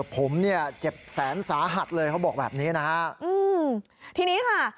ผมเนี่ยเจ็บแสนสาหัสเลยเขาบอกแบบนี้นะฮะอืมทีนี้ค่ะ